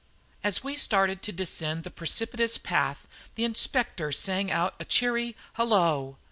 As we started to descend the precipitous path the Inspector sang out a cheery "Hullo!"